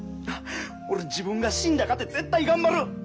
俺自分が死んだかて絶対頑張る！